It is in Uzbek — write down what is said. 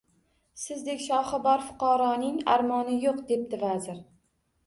– Sizdek shohi bor fuqaroning armoni yo‘q, – debdi vazir.